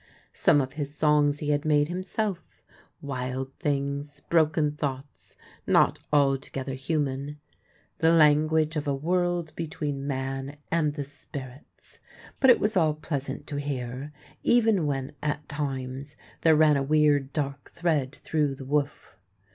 Some of his songs he had made himself: wild things, broken thoughts, not altogether human ; the language 2i6 THE LANE THAT HAD NO TURNING of a world between man and the spirits. But it was all pleasant to hear, even when, at times, there ran a weird, dark thread through the woof.